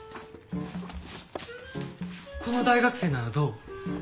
この大学生ならどう？